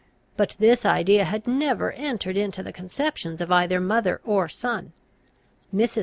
But this idea had never entered into the conceptions of either mother or son. Mrs.